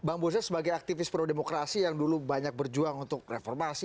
bang bosen sebagai aktivis pro demokrasi yang dulu banyak berjuang untuk reformasi